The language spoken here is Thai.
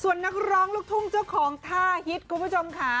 ส่วนนักร้องลูกทุ่งเจ้าของท่าฮิตคุณผู้ชมค่ะ